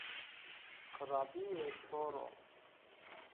Xirabîye şoro